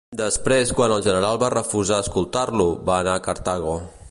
Després, quan el general va refusar escoltar-lo, va anar a Cartago.